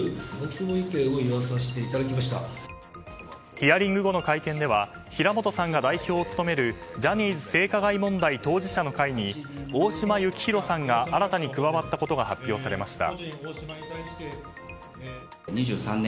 ヒアリング後の会見では平本さんが代表を務めるジャニーズ性加害問題当事者の会に大島幸広さんが新たに加わったことが発表されました。